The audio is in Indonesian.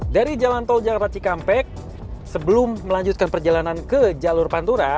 dari jalan tol jakarta cikampek sebelum melanjutkan perjalanan ke jalur pantura